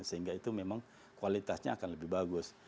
sehingga itu memang kualitasnya akan lebih bagus